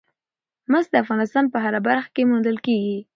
مس د افغانستان په هره برخه کې موندل کېږي.